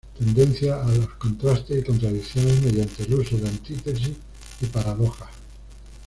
Tendencia a los contrastes y contradicciones mediante el uso de antítesis y paradojas.